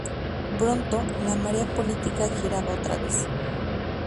Pronto, la marea política giraba otra vez.